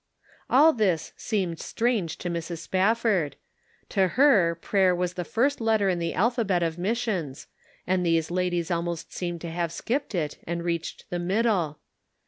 All this seemed strange to Mrs. Spafford ; to her, prayer was the first letter in the alphabet of missions, and these ladies almost seemed to have skipped it, and reached the middle.